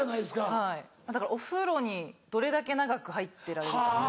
はいだからお風呂にどれだけ長く入ってられるか。